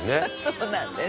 「そうなんです」